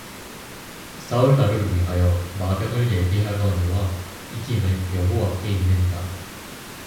싸울 날을 위하여 마병을 예비하거니와 이김은 여호와께 있느니라